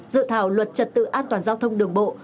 dự thảo luật trật tự an toàn giao thông đường bộ